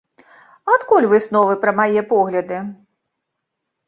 Адкуль высновы пра мае погляды?